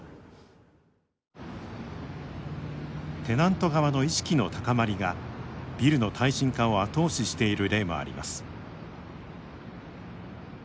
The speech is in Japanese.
テナント側の意識の高まりがビルの耐震化を後押ししている例もあります。